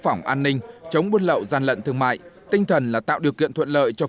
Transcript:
phòng an ninh chống buôn lậu gian lận thương mại tinh thần là tạo điều kiện thuận lợi cho